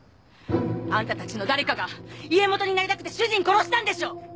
あんたたちの誰かが家元になりたくて主人殺したんでしょう！？